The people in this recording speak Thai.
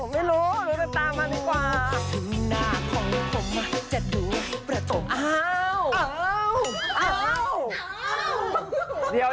ไม่รู้ตามก่อนดีกว่า